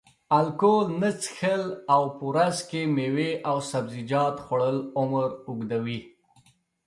الکول نه څښل او په ورځ کې میوې او سبزیجات خوړل عمر اوږدوي.